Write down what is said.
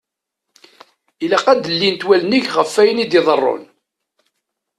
Ilaq ad llint wallen-nneɣ ɣef ayen i d-iḍeṛṛun.